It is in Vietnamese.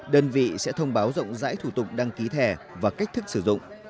đơn vị sẽ thông báo rộng rãi thủ tục đăng ký thẻ và cách thức sử dụng